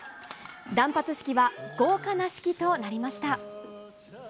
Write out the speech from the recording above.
断髪式は豪華な式となりました。